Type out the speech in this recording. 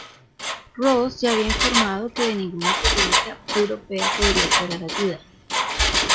Ross ya había informado que de ninguna potencia europea podría esperar ayuda.